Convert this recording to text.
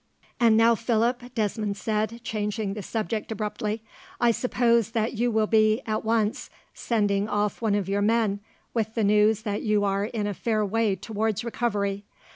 "And now, Philip," Desmond said, changing the subject abruptly, "I suppose that you will be, at once, sending off one of your men with the news that you are in a fair way towards recovery.